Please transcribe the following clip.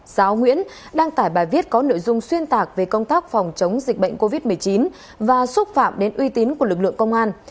giáo nguyễn đăng tải bài viết có nội dung xuyên tạc về công tác phòng chống dịch bệnh covid một mươi chín và xúc phạm đến uy tín của lực lượng công an